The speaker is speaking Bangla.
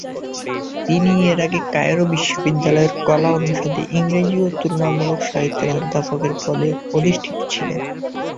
তিনি এর আগে কায়রো বিশ্ববিদ্যালয়ের কলা অনুষদে ইংরেজি ও তুলনামূলক সাহিত্যের অধ্যাপকের পদে অধিষ্ঠিত ছিলেন।